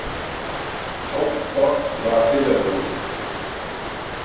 Hauptort war Hillerød.